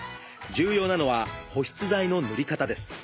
重要なのは保湿剤の塗り方です。